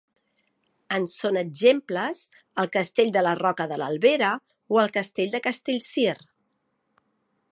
En són exemples el castell de la Roca de l'Albera o el castell de Castellcir.